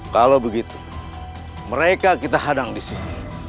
kalau begitu mereka kita hadang di sini